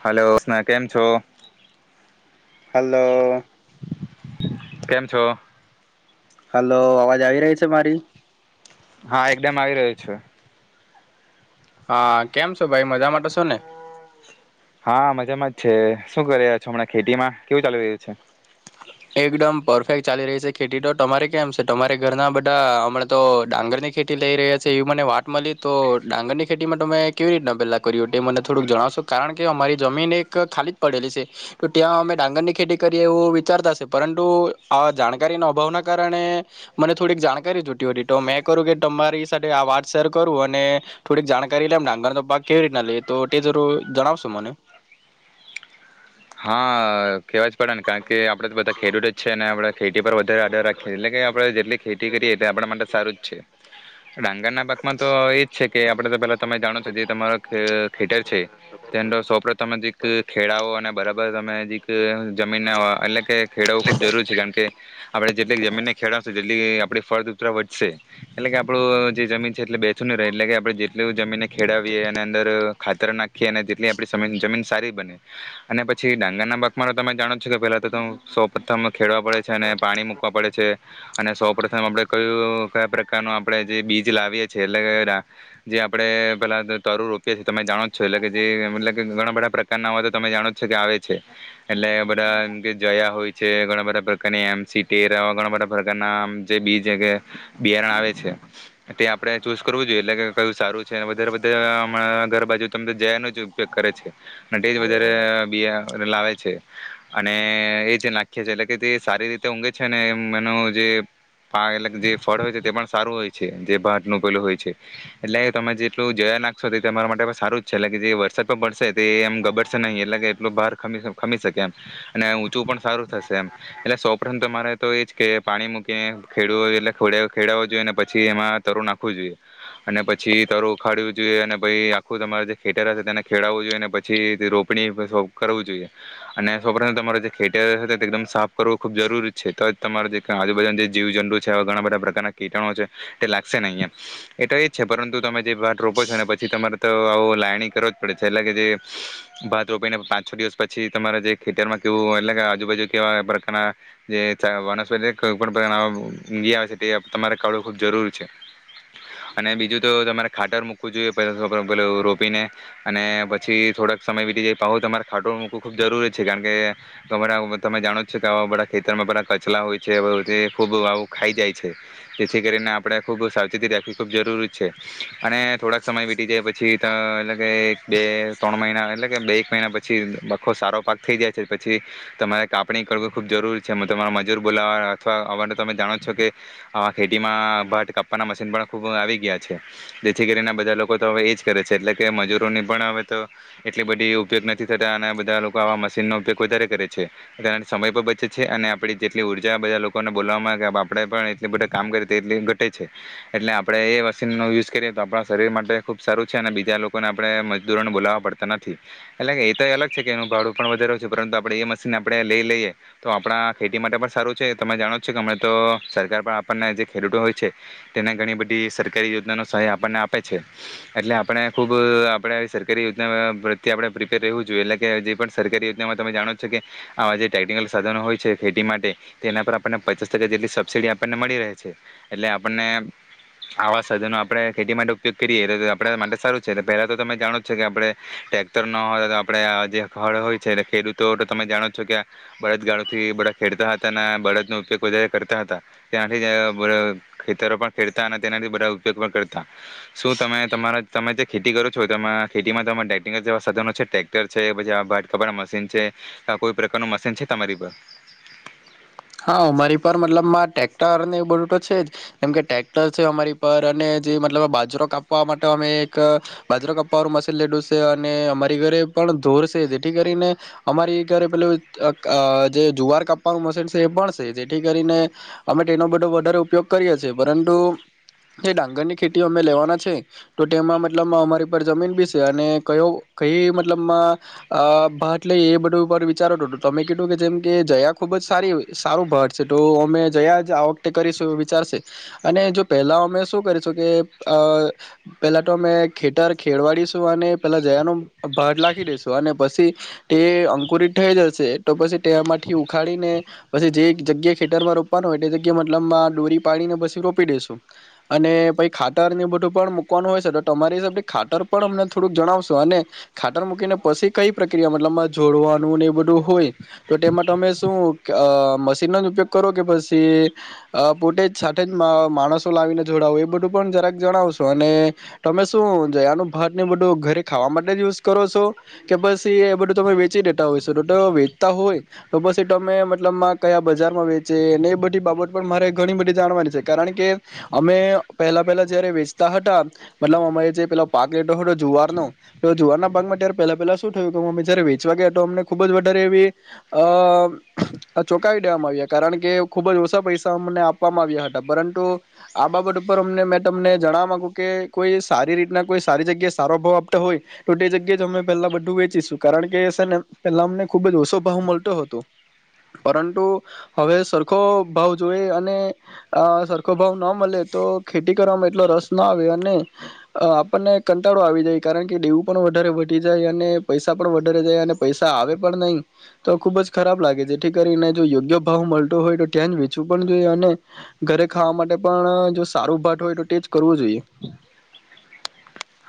Hello સ્ના, કેમ છો? હલ્લો. કેમ છો? હલો અવાજ આવી રહી છે મારી? હા, એકડમ આવી રહ્યો છે. હા, કેમ છો ભાઈ? મજામાં તો સો ને? હા, મજામાં જ છે. શું કરી રહ્યા છો હમણાં ખેતીમાં? કેવું ચાલુ રહ્યું છે? એકડમ પરફેક્ટ ચાલી રહી સે ખેતી તો. તમારે કેમ સે? તમારે ઘરના બધા હમણાં તો ડાંગર ની ખેતી લઇ રહ્યા છે એવી મને વાત મલી. તો ડાંગર ની ખેતીમાં તમે કેવી રીતના પેલા કર્યું, તે મને થોડુંક જણાવશો? કારણ કે, અમારી જમીન એક ખાલી જ પડેલી છે. તો ત્યાં અમે ડાંગર ની ખેતી કરીએ એવું વિચારતા સ. પરંતુ આ જાણકારીના અભાવના કારણે મને થોડીક જાણકારી જોટી હતી. તો મેં કરૂ કે તમારી સાથે આ વાત શેર કરું અને થોડીક જાણકારી લેમ ડાંગરનો પાક કેવી રીતના લઈએ. તો તે જરૂર જણાવશો મને? હા, કેવા જ પડે ને કાર કે આપડે તો બધા ખેડૂત જ છે ને આપડે ખેટી પર વધ ધરા ધ રાખે. એટલે કે આપણે જેટલી ખેતી કરીએ તે આપણા માટે સારું જ છે. ડાંગર ના પાકમાં તો એજ છે કે આપડે તો પેલા તમે જાણો છો જે તમારો ક ખેટર છે, તેન્ડો સોપ્ડ તમેં જે ક ખેડાઓ અને બ તમે જીક જમીનને આવા એટલે કે ખેડવવું ખુબ જરૂર છે. કારણ કે, આપળે જેટલી જમીનને ખેડવશુ જેટલી આપડી ફળદૂપત્રા વધશે. એટલે કે, આપડું જે જમીન છે એટલે બેસું ન રહે. એટલે કે આપળે જેટલુ જમીનને ખેડવીએ અને અંદર ખાતર નાખીએ અને તેટલી આપળી સમીન જમીન સારી બને અને પ છી ડાંગરના પાાકમાં તો તમે જાણો જ છો કે, પેલા તો તો સૌ પ્રથમ ખેડવા પડે છે અને પાણી મૂકવા પડે છે અને સૌ પ્રથમ આપડે કયું કયા પ્રકારનું આપણે જે બીજ લાવીએ છે એટલે કે રા જે આપડે પેલા ત તરું રોપીએ તો તમે જાણો છો એટલે કે જે મલે કે ઘણા બધા પ્રકારના હોય તો તમે જાણો છો કે, આવે છે. એટલે બધા એમ કે જયા હોય છે. ઘણા બધા પ્રકારની એમ સી ટેર આવા ઘણા બધા પ્રકારના અં જે બીજે કે બિયારણ આવે છે. તે આપળે ચૂઝ કરવું જોએ. એટલે કે, કયું સારું છે. વધારે બધા હમણા ઘર બાજુ તમ તો જયાનો જ ઉપયોગ કરે છે અને તે જ વધારે બિયારણ લાવે છે અને એ જે નાખી છે એટલે કે જે સારી રીતે ઊઘે છે, ને એમ એનું જે પા એટલે જે ફળ હોય છે તે પણ સારું હોય છે જે ભાતનું પેલું હોય છે એટલે તમે જેટલું જયા નાખશો તે તમારા માટે પણ સારું જ છે એટલે કે જે વરસાદ પણ પડશે તે એમ ગબડશે નહીં એટલે કે લોક બહારી ખમી શકે, એમ અને ઊંચું પણ સારું થશે એમ એટલે સૌ પ્રથમ તમારે તો એજ કે પાણી મૂકીને ખેડવ એટલે ખેડવવું જોઈએ, ને પછી એમાં તરું નાખવું જોઈએ અને પછી તરું ઉખાડવું જોઈએ, અને પછી આખું તમારે જે ખેતરા છે તેને ખેડવવું જોઈએ, પછી રોપણી કરવું જોઈએ અને સર્વ પ્રથમ તમારે જે ખે એકદમ સાફ કરવું ખૂબ જરૂરી છે. તો તમારે જે આજુબજુના જે જીવ જંતુ છે ઘણા બધા પ્રકારના કીટણો છે. તે લાગશે ને અહિયાં એ તો એ છે પરંતુ તમે જે ભાત રોપો છો ને પછી તમારે તો આવો લાયણી કરવો જ પડે છે એટલે કે જે ભાત રોપીને પાંચ-છ દિવસ પછી તમારે જે ખેતરમાં કેવું એટલે કે આજુબાજુ કેવા પ્રકારના જે વનસ્પતિ કોઈ પ્રકારના આવે છે, તે તમારે કડું ખુબ જરૂરી છે અને બીજું તો તમારે ખાટર મૂકવું જોઈએ પ પે રોપીને અને પછી થોડાક સમય વીતી જાય પાછું તમારે ખાટો મૂકવું ખૂબ જરૂરી છે, કારણ કે ઘરા તમે જાણો જ છો કે આવા બધા ખેતરમાં બધા કચલા હોય છે, ખૂબ આવું ખાઈ જાય છે. જેથી કરીને આપણે ખૂબ સાવચેતી રાખવી ખૂબ જરૂરી છે, અને થોડાક સમય વીતી જાય પછી એટલે કે બે- ત્રણ મહિના એટલે કે બે એક મહિના પછી પછી સારો પાક થઈ જાય છે, પછી તમારે કાપણી કરવું ખૂબ જરૂરી છે, તમા મજૂર બોલાવા અથવા અવા તમે જાણો છો કે આવા ખેતીમાં ભાટ કાપવાના મશીન પણ ખૂબ આવી ગયા છે જેથી કરીને બધા લોકો તો હવે એજ કરે છે એટલે કે મજૂરોની પણ હવે તો એટલી બધી ઉપયોગ નથી. થતા અને બધા લોકો આવા મશીનનો ઉપયોગ વધારે કરે છે. એ સમય પણ બચે છે અને આપ જેટલી ઉર્જા બધા લોકોને બોલવામાં કે આપણે પણ એટલી બધ કામ કરીએ એટલી ઘટે છે એટલે આપણે એ મશીનનો યુઝ કરીએ તો આપણા શરીર માટે ખુબ સારું છે અને બીજા લોકોને આપણે મજદૂરોને બોલાવવા પડતા નથી. એટલે કે એ તો એ અલગ છે કે એનું ભાડું પણ વધાર છે, પરંતુ આપણે એ મશીન આપણે લઈ લઈએ તો આપણા ખેતી માટે પણ સારું છે, તમે જાણો છો કે હણાં તો સરકાર પણ આપણને જે ખેડૂતો હોય છે. તેને ઘણી બધી સરકારી યોજનાનો સહાય આપણને આપે છે, એટલે આપણે ખૂબ આપણે આવી સરકારી યોજના પ્રત્યે આપણે લેવું જોઈએ એટલે કે જે પણ સરકારી યોજનામાં તમે જાણો છો કે આવા જે ટેકનિકલ સાધનો હોય છે ખેતી માટે તેના પર આપણને પચાસ ટકા જેટલી સબસિડી આપણને મળી રહે છે એટલે આપણને આવા સાધનો આપણે ખેતી માટે ઉપયોગ કરીએ તો આપ માટે સારું છે. પહેલા તો તમે જાણો છે કે આપણે ટ્રેક્ટર ન હતો આપણે જે હળ હોય છે, ખેડૂતો તમે જાણો છો કે બળદગાળો થી બધા ખેડતા હતા અને બળદ નો ઉપયોગ વધારે કરતા હતા તેનાથી ખેતરો પણ ખેડતા અને તેનાથી બધા ઉપયોગ પણ કરતા. શું તમે તમારા? તમે જે ખેતી કરો છો તમે ખેતીમાં તોમે સાધનો છે, ટક્ટર છે, પછટ કપ મશીન છે, કોઈ પ્રકાર ન મશીન છે તમારી પર? હા અમારી પર મતલબ ટ્રેક્ટર ને બધુ તો છે જ જેમ કે ટ્રેક્ટર છે અમારી પર અને જે મતલબ બાજરો કાપવા માટે અમે એક બાજરો કાપવાનું મશીન લીધું છે અને અમારી ઘરે પણ ધોરશે જેથી કરીને અમારી ઘરે પેલું જે જુવાર કાપવાનું મશીન એ પણ છે. જેથી કરીને અમે તેનો બધો વધારે ઉપયોગ કરીએ છીએ પરંતુ જે ડાંગર ની ખેતી અમે લેવાના છે તો તેમાં મતલબ અમારી પર જમીન બી છે અને કયો કઈ મતલબમાં ભાત લઈએ એ બધું ઉપ વિચારો તો તમે કીધું કે જેમ કે જયા ખુબ જ સારી હોય. સારું ભાત છે. તો અમે જયા જ આ વખતે કરીશું એ વિચારશે અને જો પહેલા અમે શું કરીશું કે અ પેલા તો અમે ખેતર ખેડવાડીશું અને પેલા જયાનું ભાત લખી દઈશું અને પછી તે અંકુરિત થઈ જશે તો પછી તેમાંથી ઉખાડીને પછી જે જગ્યાએ ખેતરમાં રોપવાનું હોય તે જગ્યા મતલબમાં ડોરી પાડીને પછી રોપી દઈસું અને પછી ખાતર ને એ બધું પણ મૂકવાનું હોય છે, તો તમારી હિસાબે ખાતર પણ અમને થોડુંક જણાવશો? અને ખાતર મૂકીને પછી કઈ પ્રક્રિયા મતલબ જોડવાનું ને એ બધું હોય તો તેમાં તમે શું? મશીનનો જ ઉપયોગ કરો કે પછી પોતે જ સાથે જ માણસો લાવીને જોડાવય એ બધું પણ જરાક જણાવશો? અને તમે શું જયાનું ભાત ને બધું ઘરે ખાવા માટે જ યુઝ કરો છો? કે પછી એ બધું તમે વેચી દેતા હોય છો તો વેચતા હોય તો પછી તમે કયા બજારમાં વેચે એ બધી બાબત પણ મારે ઘણી બધી જાણવાની છે, કારણ કે અમે પહેલા પહેલા જયારે વેચતા હતા મતલબ અમે જે પેલો પાક લેધો હતો જુવારનો તો જુવારના પાકમાં ત્યારે પહેલા પહેલા શું થયું કે અમે જયારે વેચવા ગયા તો અમને ખુબ જ વધારે એવી અ ચોંકાવી દેવામાં આવ્યા કારણ કે ખુબ જ ઓછા પૈસા અમને આપવામાં આવ્યા હતા, પરંતુ આ બાબત ઉપર અમને મેં તમને જણવા માંગુ કે કોઈ સારી રીતના કોઈ સારી જગ્યાએ સારો ભાવ આપતા હોય. તો તે જગ્યાએ જ અમે પહેલા બધું વેચીશું કારણ કે સર ને પેલા અમને ખુબ જ ઓછો ભાવ મળતો હતો. પરંતુ હવે સરખો ભાવ જોઈ અને સરખો ભાવ ના મળે તો ખેતી કરવામાં એટલો રસ ના આવે અને આપણને કંટાળો આવી જાય, કારણ કે દેવું પણ વધારે વધી જાય અને પૈસા પણ વધારે જાય અને પૈસા આવે પણ નહી તો ખુબ જ ખરાબ લાગે છે. જેથી કરીને જો યોગ્ય ભાવ મળતો હોય તો ત્યાં જ વેચવું પણ જોઈએ અને ઘરે ખાવા માટે પણ જો સારું ભાટ હોય, તો તેજ કરવું જોઈએ.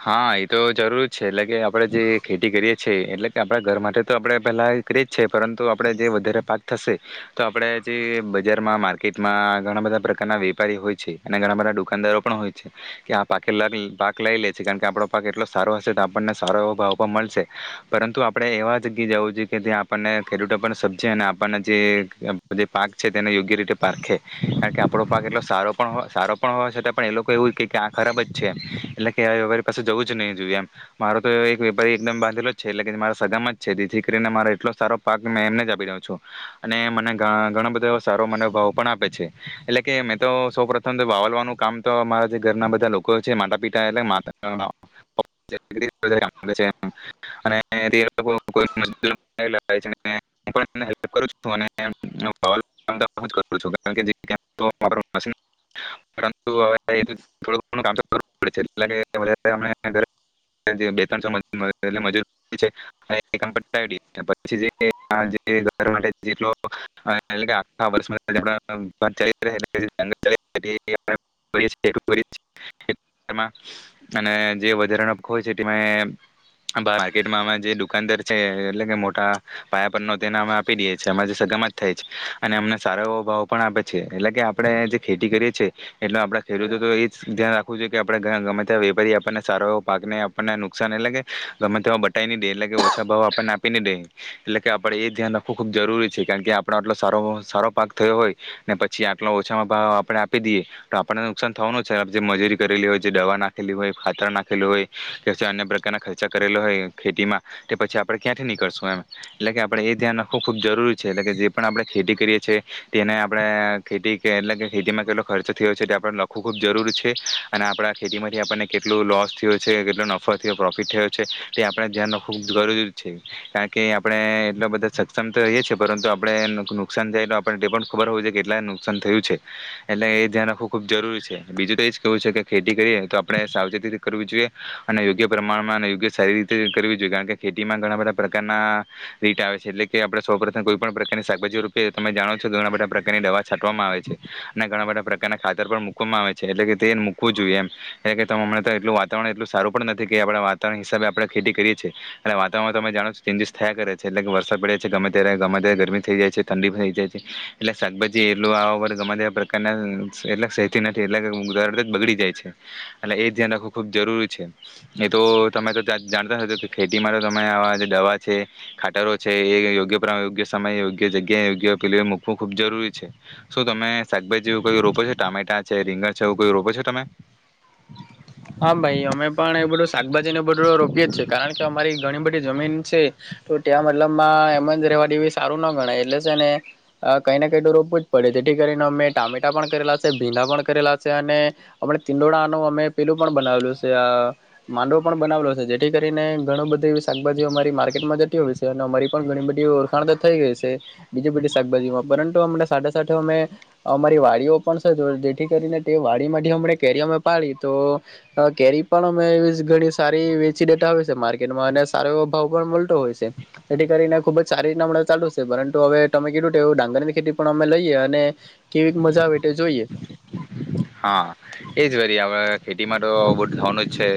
હા, એતો જરૂર જ એટલે કે આપડે જે ખેતી કરીએ છે એટલેકે આપડા ઘર માટે તો આપડે પહેલાં ક છે પરંતુ આપણે જે વધારે પાક થશે, તો આપડે જે બજારમાં માર્કેટમાં ઘણા બધા પ્રકારના વેપારી હોય છે અને ઘણા બધા દુકાનદારો પણ હોય છે કે આ પાકે પાક લઈ લે કારણકે આપડો પાક એટલો સારો હશે તો આપણને સારો એવો ભાવ પણ મળશે, પરંતુ આપડે એવા જગ્યાએ જવું છેએ કે ત્યાં આપણને ખેડૂતો સમજે અને આપણને જે પાક છે તેને યોગ્ય રીતે પારખે, કારણકે આપડો પાક એટલો સારો પણ સારો પણ હોવા છતાં પણ એ લોકો એવું આ ખરાબજ છે એમ, એટલે કે આ વેપારી પાસે જવુંજ નહીં જોયએ એમ. મારો તો એક વેપારી એકદમ બાંધેલોજ છે એટલે કે મારા સગામજ છે જેથી કરીને મારા એટલો સારો પાક મેં એમને જ આપી રહ્યો છું અને મને ઘણા બધા સારો મને ભાવ પણ આપે છે, એટલે કે મેં તો સૌ પ્રથમ વાવલવાનું કામ તો મારા જે ઘરના બધા લોકો છે માતા પી [unintelligible] [unintelligible] માં અને જે વધારા હોય છે તેમાં માર્કેટમાં અ જે દુકાનદાર છે એટલે મોટા પાયા પરનો તેને અ આપી દેએ છીએ જે સગમત થાય છે અને અમને સારો એવો ભાવ પણ આપે છે એટલે કે આપણે જે ખેતી કરીએ છે એટલે આપણે ખેડૂતો તો એ જ ધ્યાન રાખ [unintelligible] કે આપણે ગમે તે વેપારી આપણને સારો એવો પાકને આપણને નુકસાન એટલે કે ગમે તેવા બટાઈને દે, એટલે કે ઓછા ભાવ આપણને આપી ને દે, એટલે કે આપડે એ ધ્યાન રાખવું ખૂબ જરૂરી છે કારણ કે આપડો આટલો સારો સારો પાક થયો હોય ને પછી આટલો ઓછામાં ભાવ આપડે આપી દઈએ, તો આપણને નુકસાન થવાનું જ છે જે મજૂરી કરેલી હોય, જે દવા નાખેલી હોય, ખાતર નાખ ખેલુ હોય, કે અન્ય પ્ર કેના ખર્ચા કરેલો હોય ખેતીમાં તે પછી આપડણે ક્યાંથી નીકળશું એમ એટલે કે આપડે એ ધ્યાન રાખવું ખૂબ જરૂરી છે એટલે કે જે પણ આપડે ખેતી કરીએ છીએ તેને આપણે ખેતી એટલે કે ખેતીમાં કેટલો ખર્ચો થયો છે, તે આપડે લખવું ખૂબ જરૂરી છે. અને આપણા ખેતીમાંથી આપણને કેટલોું લોસ થયો છે, કેટલો નફો થયો, પ્રોફિટ થયો છે, તે આપણે ધ્યાન રાખવું ખૂબ જરૂરી જ છે, કારણકે આપણે એટલા બધા સક્ષમ તો રહીએ છીએ, પરંતુ આપણે નુકસાન જાય તો આપણને તે પણ ખબર હોવું જોઈએ કેટલા નુકસાન થયું છે, એટલે એ ધ્યાન રાખવું ખૂબ જરૂરી છે બીજું તો એ જ કહેવું છે કે ખેતી કરીએ તો આપણે સાવચેતીતે કરવી જોઈએ, અને યોગ્ય પ્રમાણમાં અને યોગ્ય સારી રીતે કરવી જોઈએ, કારણકે ખેતીમાં ઘણાં બધાં પ્રકારના રીત આવે છે, એટલે કે આપણે સૌ પ્રથમ કોઈ પણ પ્રકારની શાકભાજી રોપીએ તો, તમે જાણો છો કે ઘણાં બધાં પ્રકારની દવા છાંટવામાં આવે છે, અને ઘણાં બધાં પ્રકારના ખાતર પણ મૂકવામાં આવે છે‌. એટલે કે તે ક્વુ જોએ, એટલે કે ત મને એટલ વાતાવરણ એટલું સારું પણ નથી કે આપણા વાતાવરણ હિસાબે આપણે ખેતી કરીએ છીએ, એટલે વાવરણ તમે જાણો ચેન્જીિસ થયા કરે છે, એટલે કે વરસાદ પડે છે ગમે ત્યારે, ગમે ત્યારે ગરમી થઈ જાય છે, ઠંડી થઈ જાય છે, એટલે શાકભાજી એટલું આર ગમે પ્રકારના એટ સેતી નથી એટલે બગડી જાય છે એટલે એ ધ્યાન રાખવું ખૂબ જરૂરી છે. એતો તમે તો ત્યાં જાણતા કે ખેતીમાં તો તમે આવા દવા છે, ખાતરો છે, એ યોગ્ય યોગ્ય સમય, યોગ્ય જગ્યાએ, યોગ્ય પેલું મૂકવું ખૂબ જરૂરી છે. શું તમે શાકભાજી એવું કોઈ રોપો છો, ટામેટા છે, રીંગણ છે, એવું કોઈ રોપો છો? તમે? હાં, ભાઈ અમે પણ એ બધું શાકભાજીને બધું રોપીએ જ છેએ, કારણકે અમારી ઘણી બધી જમીન છે, તો ત્યાં મતલબમાં એમ જ રહેવા દેવી સારું ના ગણાય એટલે છે, ને કંઈને કઈ તો રોપવું જ પડે જેથી કરીને અમે ટામેટા પણ કરેલા છે, ભીંડા પણ કરેલા છે, અને અ તીંડોળનો અમે પેલું પણ બનાવેલું છે, આ માંડવો પણ બનાવેલો છે, જેથી કરીને ઘણું બધું એવી શાકભાજી અમારી માર્કેટમાં જતી હોય છે અને અમારી પણ ઘણી બધી ઓળખાણ તો થઈ ગઈ છે બીજી બધી શાકભાજીમાં, પરંતુ અમને સાથે સાથે અમે અમારી વાડીઓ પણ છે, જેથી કરીને તે વાડીમાંથી હમણે કેરી અમે પાડી તો કેરી પણ અમે એવી ઘણી સારી વેચી દેતા હોય છે માર્કેટમાં અને સારો એવો ભાવ પણ મળતો હોય છે, તેથી કરીને ખુબજ સારી રીતના ચાલતું છે, પરંતુ હવે તમે કીધું એવું ડાંગરની ખેતી પણ અમે લઈએ અને કેવી મજા આવે તે જોઈએ. આવે ખેતીમાં તો આવું બધું થવાનું જ છે.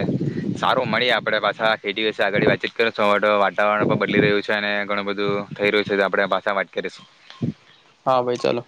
સારું મળીએ આપડે પાછા ખેતી વિશે આગળ વાતચીત કરીશું, હવે તો વાતાવરણ પણ બદલી રહ્યું છે, અને ઘણું બધું થઈ રહ્યું છે, તો આપડે પાછા વાત કરીશું. હાં ભાઈ, ચાલો.